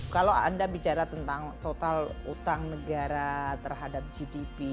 kalau anda bicara tentang total utang negara terhadap gdp